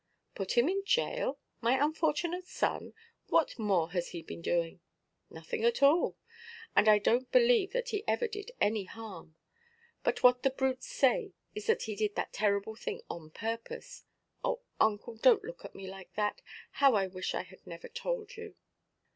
"Put him in jail? My unfortunate son! What more has he been doing?" "Nothing at all. And I donʼt believe that he ever did any harm. But what the brutes say is that he did that terrible thing on purpose. Oh, uncle, donʼt look at me like that. How I wish I had never told you!"